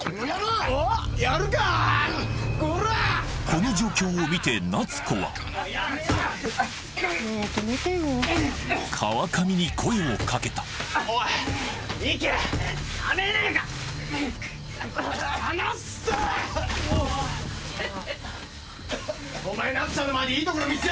この状況を見て夏子は川上に声をかけた離せ！